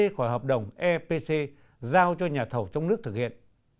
khỏi hợp đồng epc giao cho nhà thầu trong nước thực hiện